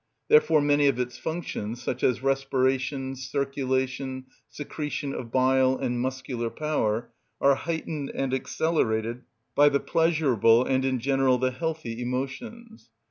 Therefore many of its functions, such as respiration, circulation, secretion of bile, and muscular power, are heightened and accelerated by the pleasurable, and in general the healthy, emotions.